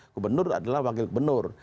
gubernur adalah wakil gubernur